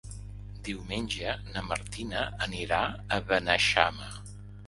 Diumenge na Martina anirà a Beneixama.